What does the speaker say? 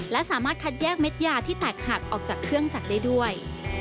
และสามารถคัดแยกเม็ดยาที่แตกหักออกจากเครื่องจักรได้ด้วย